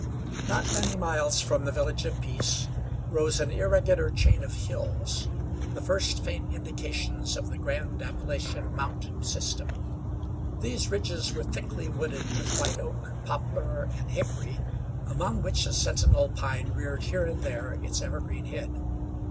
Not many miles from the Village of Peace rose an irregular chain of hills, the first faint indications of the grand Appalachian Mountain system. These ridges were thickly wooded with white oak, poplar and hickory, among which a sentinel pine reared here and there its evergreen head.